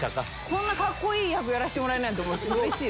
こんなカッコいい役やらせてもらうなんてうれしい。